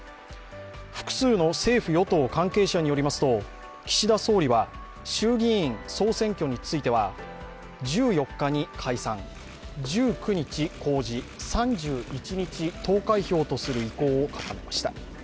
複数の政府・与党関係者によりますと、岸田総理は衆議院総選挙については、１４日に解散１９日公示、３１日投開票とする意向を固めました。